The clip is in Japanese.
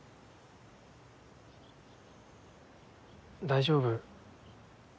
大丈夫？